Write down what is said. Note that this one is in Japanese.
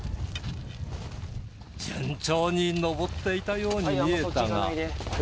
順調に登っていたように見えたが